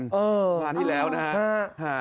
เออคือภาพที่แล้วนะครับฮะ